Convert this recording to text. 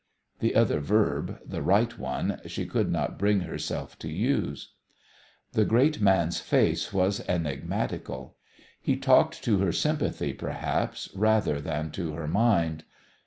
The other verb, the right one, she could not bring herself to use. The great man's face was enigmatical. He talked to her sympathy, perhaps, rather than to her mind.